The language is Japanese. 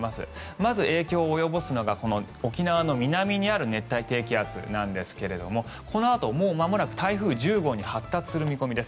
まず影響を及ぼすのが沖縄の南にある熱帯低気圧ですがこのあとまもなく台風１０号に発達する見込みです。